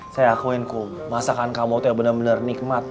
saya akuin kum masakan kamu tuh yang bener bener nikmat